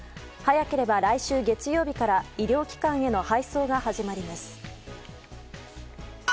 早ければ来週月曜日から医療機関への配送が始まります。